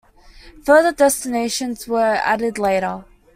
Further destinations were added later.